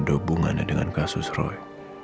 dobungannya dengan kasus roy